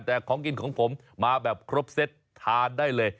แต่ของกินของผมมาแบบครบเซตทานได้เลย